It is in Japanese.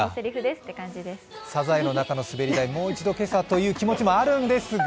さざえの中は滑り台、もう一度今朝、という気持ちもあるんですが